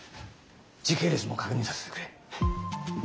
時系列も確認させてくれ。